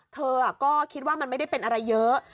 เธอก็คิดว่ามันไม่ได้เป็นอะไรเยอะ